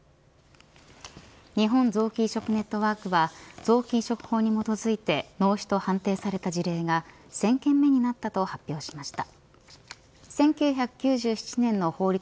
日本臓器移植ネットワークは臓器移植法に基づいて脳死と判定された事例が１０００件目になったと発表しました。